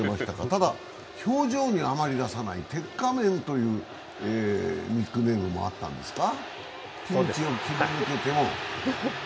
ただ表情にあまり出さない鉄仮面というニックネームもあったんですか？